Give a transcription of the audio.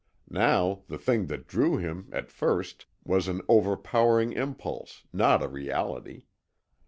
Now the thing that drew him, at first, was an overpowering impulse, not a reality.